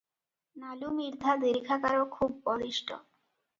ନାଲୁ ମିର୍ଦ୍ଧା ଦୀର୍ଘାକାର ଖୁବ୍ ବଳିଷ୍ଠ ।